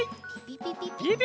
ピピピピ！